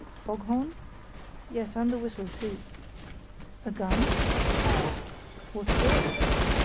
"Foghorn?" "Yes, and the whistle too." "A gun?" "What for?"